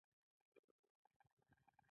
مېز د لوړ کیفیت نښه ده.